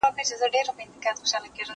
زه به سبا ږغ واورم!!